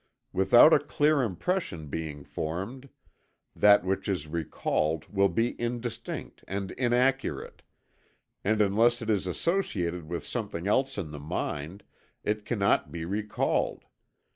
Without a clear impression being formed, that which is recalled will be indistinct and inaccurate; and unless it is associated with something else in the mind, it cannot be recalled.